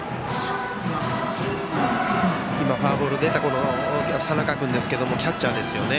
今、フォアボールで出た佐仲君ですけどもキャッチャーですよね。